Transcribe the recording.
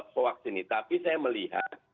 hoaks ini tapi saya melihat